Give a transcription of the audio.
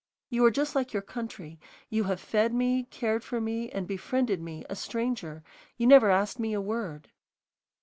You are just like your country; you have fed me, cared for me, and befriended me, a stranger, and never asked me a word."